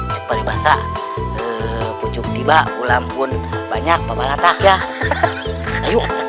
cepat basah pucuk tiba ulang pun banyak bapak latak ya ayo